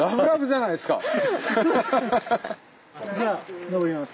じゃあ登ります。